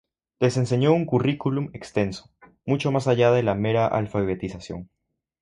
Les enseñó un currículum extenso, mucho más allá de la mera alfabetización.